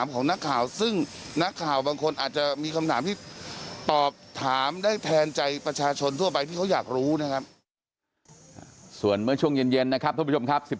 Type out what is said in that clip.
แฟนคลับคุณตังโมนะครับ